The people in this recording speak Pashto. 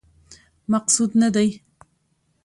مقصود نه دی.